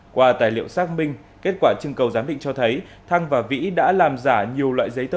qua tài liệu xác minh kết quả trưng cầu giám định cho thấy thăng và vĩ đã làm giả nhiều loại giấy tờ